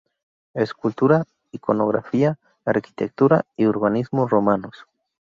Escultura, Iconografía, Arquitectura y Urbanismo Romanos.